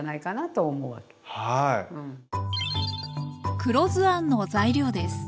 黒酢あんの材料です。